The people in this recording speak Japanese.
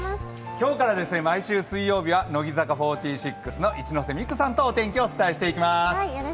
今日から毎週水曜日は乃木坂４６の一ノ瀬美空さんと天気をお伝えしていきます。